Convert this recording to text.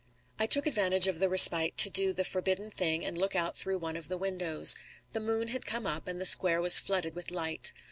I took advantage of the respite to do the forbidden thing and look out through one of the windows. The moon had come up and the square was flooded with light.